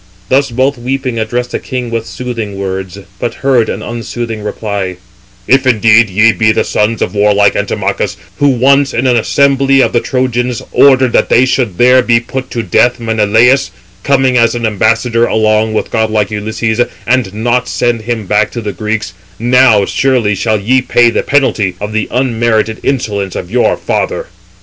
Thus both weeping addressed the king with soothing words; but heard an unsoothing reply: "If indeed ye be the sons of warlike Antimachus, who once in an assembly of the Trojans, ordered that they should there put to death Menelaus, coming as an ambassador along with godlike Ulysses, and not send him back to the Greeks—now surely shall ye pay the penalty of the unmerited insolence of your father."